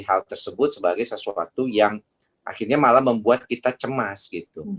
hal tersebut sebagai sesuatu yang akhirnya malah membuat kita cemas gitu